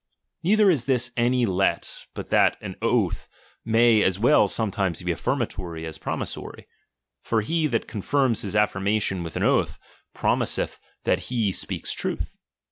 Neither is this any let, but that an oath may as well sometimes be affirmatory as promissory ; for he that confirms his affirmation with an oath, promiseth that he speaks truth.